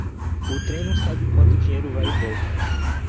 O trem não sabe quanto dinheiro vai e volta.